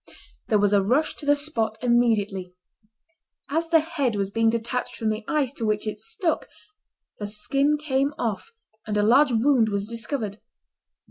There was a rush to the spot immediately. As the head was being detached from the ice to which it stuck, the skin came off, and a large wound was discovered.